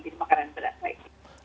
jadi makanan berat lagi